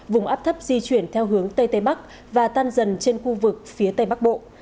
vùng áp thấp di chuyển theo hướng tây tây bắc và tan dần trên khu vực phía tây bắc bộ